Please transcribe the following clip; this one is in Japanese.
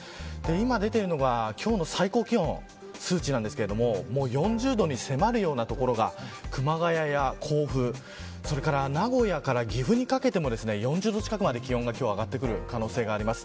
今出ているのが今日の最高気温数値ですが４０度に迫るような所が熊谷や甲府名古屋から岐阜にかけても４０度近くまで気温が上がってくる可能性があります。